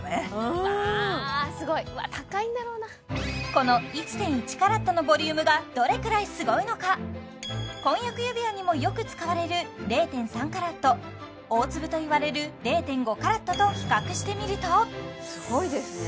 うわあすごい高いんだろうなこの１．１ｃｔのボリュームがどれくらいすごいのか婚約指輪にもよく使われる０．３ｃｔ大粒といわれる０．５ｃｔと比較してみるとすごいですね